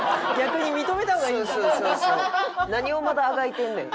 何をまだあがいてんねん。